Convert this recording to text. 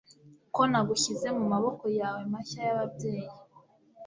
ko nagushyize mumaboko yawe mashya y'ababyeyi